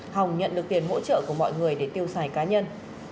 hồng nhận được tiền hỗ trợ của mọi người để tiêu xài cá nhân